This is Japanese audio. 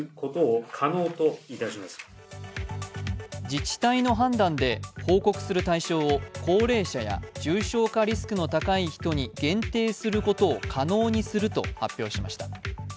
自治体の判断で報告する対象を高齢者や重症化リスクの高い人に限定することを可能にすると発表しました。